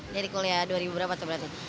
dari kuliah dua ribu berapa tuh berarti